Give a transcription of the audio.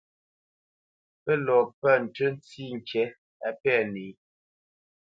Pə́ lɔ pə̂ ntʉ́ ntsî ŋkǐ á pɛ̂ nǐ.